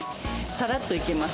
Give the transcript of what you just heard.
さらっといけます。